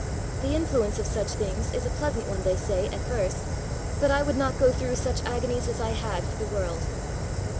The influence of such things is a pleasant one, they say, at first, but I would not go through such agonies as I had for the world!"